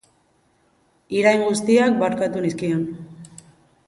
Irain guztiak barkatu nizkion.